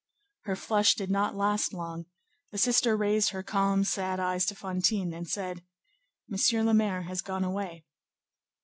Her flush did not last long; the sister raised her calm, sad eyes to Fantine, and said, "Monsieur le Maire has gone away."